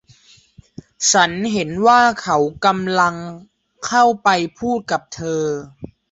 ฉันเห็นว่าเขากำลังเข้าไปพูดกับเธอ